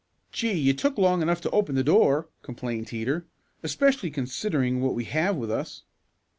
"Gee, you took long enough to open the door," complained Teeter, "especially considering what we have with us."